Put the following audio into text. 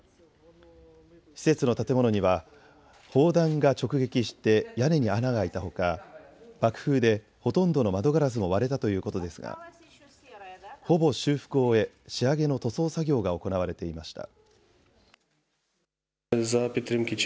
施設の建物には砲弾が直撃して屋根に穴が開いたほか爆風でほとんどの窓ガラスも割れたということですが、ほぼ修復を終え仕上げの塗装作業が行われていました。